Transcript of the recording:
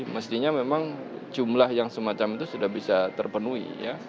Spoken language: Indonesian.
mestinya memang jumlah yang semacam itu sudah bisa terpenuhi